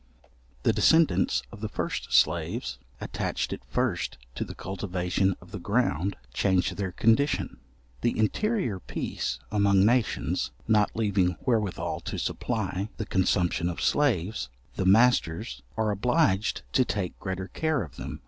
The descendants of the first slaves, attached at first to the cultivation of the ground, change their condition. The interior peace among nations, not leaving wherewithal to supply the consumption of slaves, the masters are obliged to take greater care of them.